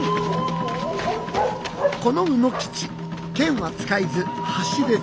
この卯之吉剣は使えず走れず。